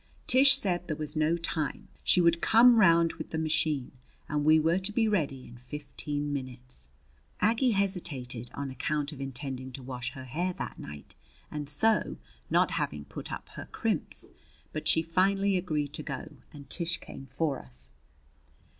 Tish said there was no time. She would come round with the machine and we were to be ready in fifteen minutes. Aggie hesitated on account of intending to wash her hair that night and so not having put up her crimps; but she finally agreed to go and Tish came for us.